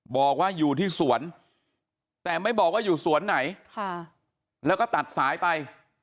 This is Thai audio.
บอกว่าอยู่ที่สวนแต่ไม่บอกว่าอยู่สวนไหนแล้วก็ตัดสายไป